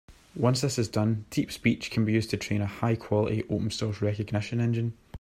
Once this is done, DeepSpeech can be used to train a high-quality open source recognition engine.